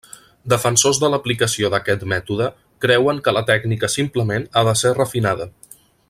Defensors de l'aplicació d'aquest mètode creuen que la tècnica simplement ha de ser refinada.